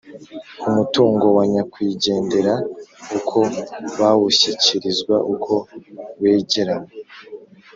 umutungo wa nyakwigendera, uko bawushyikirizwa, uko wegeranywa